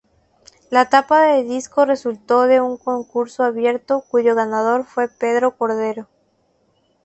La tapa del disco resultó de un concurso abierto, cuyo ganador fue Pedro Cordero.